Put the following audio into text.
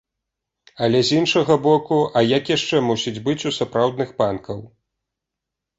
Але, з іншага боку, а як яшчэ мусіць быць у сапраўдных панкаў?